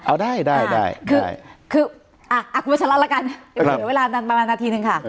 เอาได้คือคุณวชลัดละกันเดี๋ยวเวลานั้นประมาณนาทีนึงค่ะ